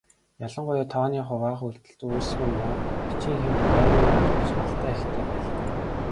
Ялангуяа тооны хуваах үйлдэлд үйлсгүй муу, бичгийн хэв гайгүй авч алдаа ихтэй байлаа.